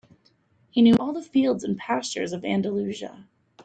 He knew all the fields and pastures of Andalusia.